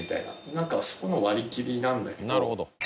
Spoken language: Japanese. なんかそこの割り切りなんだけど。